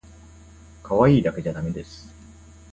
かわいいだけじゃだめです